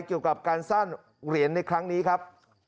เกี่ยวกับการสร้างเหรียญในครั้งนี้ครับ